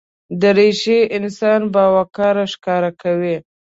دریشي انسان باوقاره ښکاره کوي.